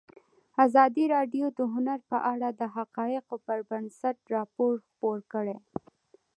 ازادي راډیو د هنر په اړه د حقایقو پر بنسټ راپور خپور کړی.